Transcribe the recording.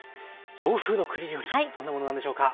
洋風の栗料理どんなものなんでしょうか。